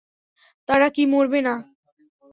তারা কী মরবে না?